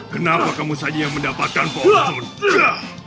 kenapa kamu saja yang mendapatkan power stone